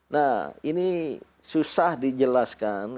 nah ini susah dijelaskan